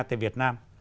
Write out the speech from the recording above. tại việt nam